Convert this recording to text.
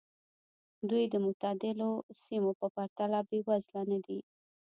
دوی د معتدلو سیمو په پرتله بېوزله نه دي.